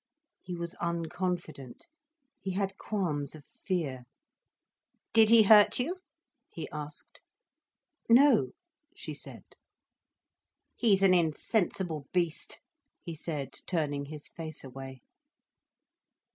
He was unconfident, he had qualms of fear. "Did he hurt you?" he asked. "No," she said. "He's an insensible beast," he said, turning his face away.